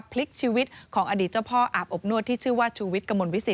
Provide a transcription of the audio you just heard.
พลิกชีวิตของอดีตเจ้าพ่ออาบอบนวดที่ชื่อว่าชูวิทย์กระมวลวิสิต